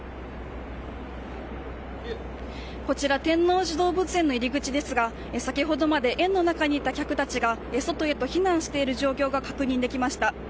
こちら、天王寺動物園の入り口ですが、先ほどまで園の中にいた客たちが、外へと避難している状況が確認できました。